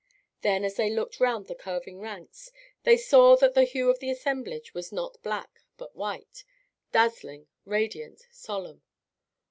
Then, as they looked round the curving ranks, they saw that the hue of the assemblage was not black, but white, dazzling, radiant, solemn.